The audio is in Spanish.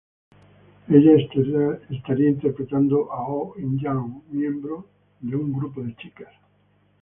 Ella estaría interpretando a Oh In Young, miembro de un grupo de chicas.